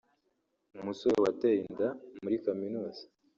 Umusore wateye inda muri kaminuza